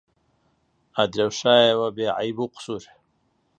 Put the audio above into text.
ئەدرەوشایەوە بێعەیب و قوسوور